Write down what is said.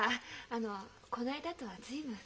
あのこないだとは随分。